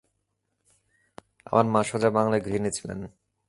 আমার মা, সোজা বাংলায় গৃহিনী ছিলেন।